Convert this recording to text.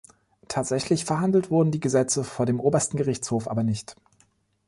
Tatsächlich verhandelt wurden die Gesetze vor dem Obersten Gerichtshof aber nicht.